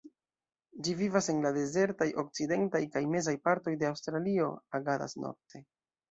Ĝi vivas en la dezertaj okcidentaj kaj mezaj partoj de Aŭstralio, agadas nokte.